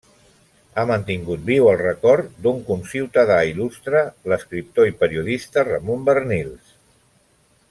Ha mantingut viu el record d’un conciutadà il·lustre, l’escriptor i periodista Ramon Barnils.